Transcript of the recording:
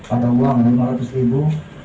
ada uang lima ratus ribu